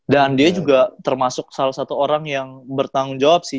dan dia juga termasuk salah satu orang yang bertanggung jawab sih